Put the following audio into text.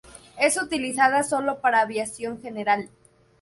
Es utilizada solo para aviación general.